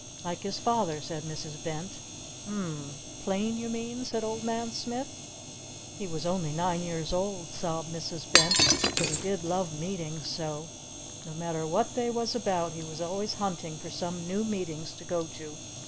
"Like his father," said Mrs. Bent. "U m m. Plain, you mean?" said Old Man Smith. "He was only nine years old," sobbed Mrs. Bent. "But he did love Meetings so! No matter what they was about he was always hunting for some new Meetings to go to!